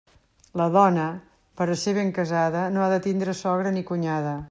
La dona, per a ser ben casada, no ha de tindre sogra ni cunyada.